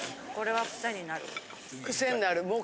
これはクセになる。